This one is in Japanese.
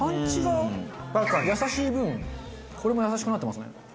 優しい分これも優しくなってますね。